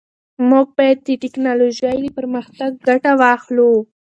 موږ باید د ټیکنالوژۍ له پرمختګ ګټه واخلو.